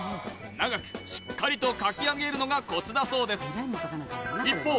長くしっかりと描き上げるのがコツだそうです一方